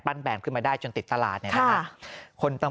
ปั้นแบรนด์ขึ้นมาได้จนติดตลาดเนี่ยนะฮะ